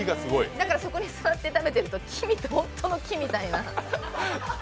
そこに座って食べてるとほんとの木みたいな。